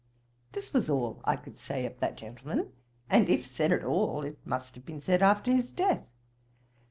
This was all that I could say of that gentleman; and, if said at all, it must have been said after his death.